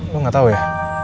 lu gak tau ya